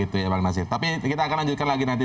tapi kita akan lanjutkan lagi nanti